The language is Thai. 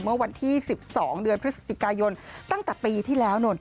เมื่อวันที่๑๒เดือนพฤศจิกายนตั้งแต่ปีที่แล้วนู่น